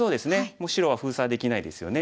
もう白は封鎖できないですよね。